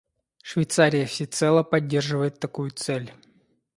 Швейцария всецело поддерживает такую цель.